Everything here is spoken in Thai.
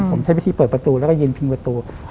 ผมใช้วิธีเปิดประตูแล้วก็ยืนพิงประตู